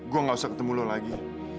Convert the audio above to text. gue gak usah ketemu lo lagi